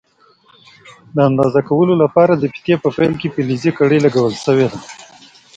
د اندازه کولو لپاره د فیتې په پیل کې فلزي کړۍ لګول شوې ده.